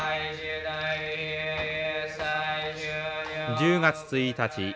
１０月１日。